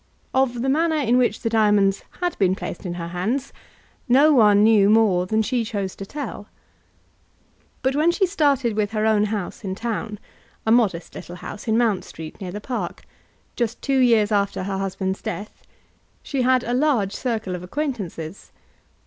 Of the manner in which the diamonds had been placed in her hands, no one knew more than she chose to tell. But when she started with her house in town, a modest little house in Mount Street, near the park, just two years after her husband's death, she had a large circle of acquaintances.